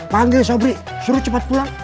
panggil sabri suruh cepat pulang